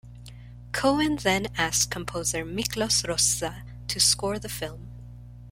Cohen then asked composer Miklos Rozsa to score the film.